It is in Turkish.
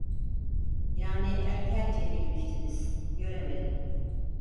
Yani erken çekilmiştiniz, göremedim…